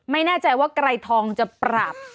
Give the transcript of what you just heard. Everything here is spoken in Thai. ไม่แน่ใจว่ากลายทองทองจะปรับ